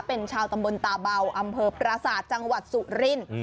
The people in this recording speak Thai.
เป็นชาวตำบลตาเบาอำเภอปราศาสตร์จังหวัดสุรินทร์